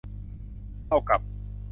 เท่ากับ